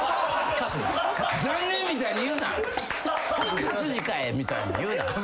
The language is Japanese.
「勝地かい」みたいに言うな。